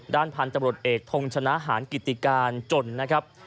ด้านพันธุ์ตำรวจเอกทงชนะหารกิติการจนนะครับ